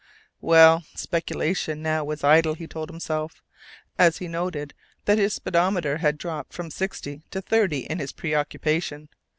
Well, speculation now was idle, he told himself, as he noted that his speedometer had dropped from sixty to thirty in his preoccupation.